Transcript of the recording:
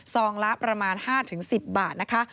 ซองละประมาณ๕๑๐บาทนะคะ